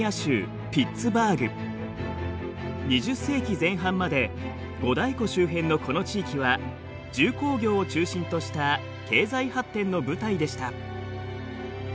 ２０世紀前半まで五大湖周辺のこの地域は重工業を中心とした経済発展の舞台でした。